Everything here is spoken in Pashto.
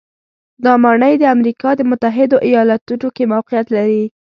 دا ماڼۍ د امریکا د متحدو ایالتونو کې موقعیت لري.